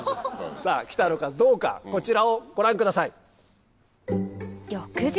さぁ来たのかどうかこちらをご覧ください。